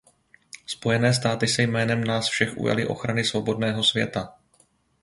Spojené státy se jménem nás všech ujaly ochrany svobodného světa.